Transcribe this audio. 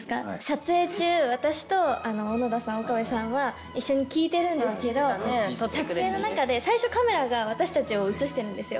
撮影中私と岡部さんは一緒に聴いてるんですけど撮影の中で最初カメラが私たちを写してるんですよ。